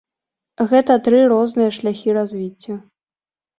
Гэта тры розныя шляхі развіцця.